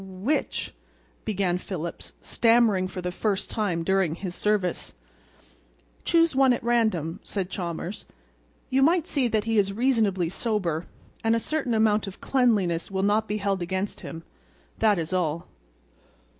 "W w which—," began Phillips, stammering for the first time during his service. "Choose one at random," said Chalmers. "You might see that he is reasonably sober—and a certain amount of cleanliness will not be held against him. That is all."